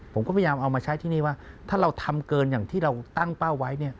ผมก็พยายามเอามาใช้ที่นี่ว่าถ้าเราทำเกินอย่างที่เราตั้งเป้าไว้เนี่ย